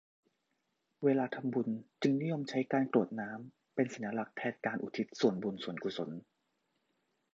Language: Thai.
เวลาทำบุญจึงนิยมใช้การกรวดน้ำเป็นสัญลักษณ์แทนการอุทิศส่วนบุญส่วนกุศล